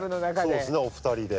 そうですねお二人で。